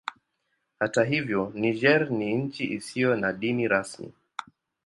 Hata hivyo Niger ni nchi isiyo na dini rasmi.